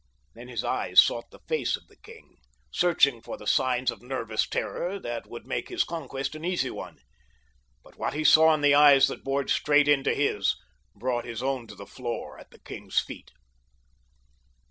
Then his eyes sought the face of the king, searching for the signs of nervous terror that would make his conquest an easy one; but what he saw in the eyes that bored straight into his brought his own to the floor at the king's feet.